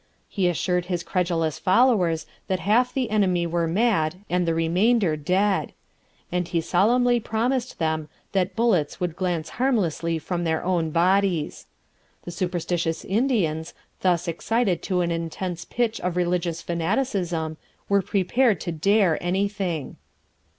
He assured his credulous followers that half the enemy were mad and the remainder dead; and he solemnly promised them that bullets would glance harmlessly from their own bodies. The superstitious Indians, thus excited to an intense pitch of religious fanaticism, were prepared to dare anything.